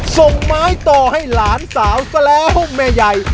ส่งไม้ต่อให้หลานสาวซะแล้วแม่ใหญ่